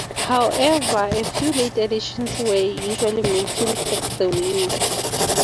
However, a few late additions are usually made to reflect the winner.